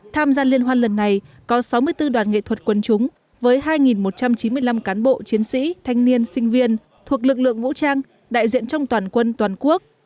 tham gia liên hoan lần này có sáu mươi bốn đoàn nghệ thuật quân chúng với hai một trăm chín mươi năm cán bộ chiến sĩ thanh niên sinh viên thuộc lực lượng vũ trang đại diện trong toàn quân toàn quốc